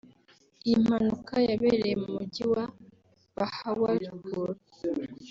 Iyi mpanuka yabereye mu mujyi wa Bahawalpur